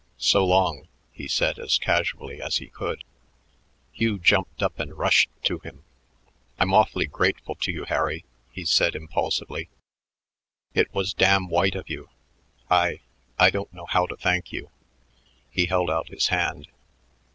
"So long," he said as casually as he could. Hugh jumped up and rushed to him. "I'm awfully grateful to you, Harry," he said impulsively. "It was damn white of you. I I don't know how to thank you." He held out his hand.